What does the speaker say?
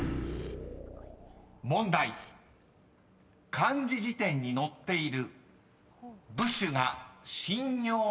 ［漢字辞典に載っている］